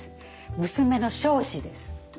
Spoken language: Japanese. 娘の彰子です。